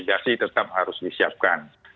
langkah mitigasi tetap harus disiapkan